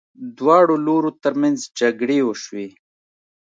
دواړو لورو ترمنځ جګړې وشوې.